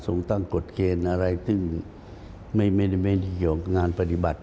ตั้งกฎเกณฑ์อะไรซึ่งไม่เกี่ยวกับงานปฏิบัติ